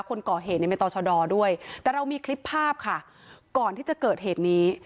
คนก่อเหตุเนี่ยเป็นต่อชะดอด้วยแต่เรามีคลิปภาพค่ะก่อนที่จะเกิดเหตุนี้